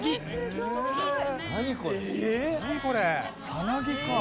さなぎか。